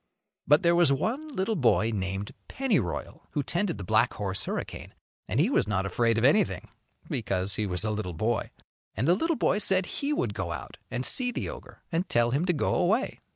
But there was one little boy named Pennyroyal, who tended the black horse Hurricane, and he was not afraid of anything because he was a little boy. And the little boy said he would go out and see the ogre and tell him to go away.